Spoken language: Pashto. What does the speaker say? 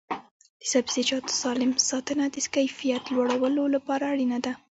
د سبزیجاتو سالم ساتنه د کیفیت لوړولو لپاره اړینه ده.